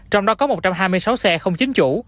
trong đó có một trăm hai mươi sáu xe không chính chủ